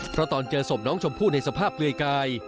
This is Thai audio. เพราะตอนเจอศพน้องชมพู่ในสภาพเปลือยกาย